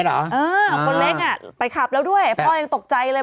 อะเค้ายังหลังนั่งอ่ะไปขับแล้วด้วยพ่อยังตกใจเลย